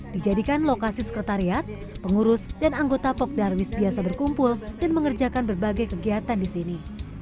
dijadikan lokasi sekretariat pengurus dan anggota pok darwis biasa berkumpul dan mengerjakan berbagai kegiatan di sini